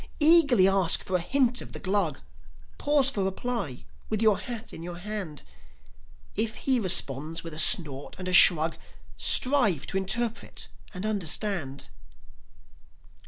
Eagerly ask for a hint of the Glug, Pause for reply with your hat in your hand; If he responds with a snort and a shrug Strive to interpret and understand.